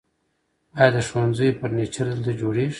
آیا د ښوونځیو فرنیچر دلته جوړیږي؟